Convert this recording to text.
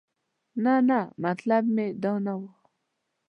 نه نه مطلب مې دا نه و.